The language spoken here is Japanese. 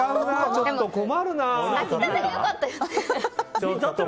ちょっと困るな。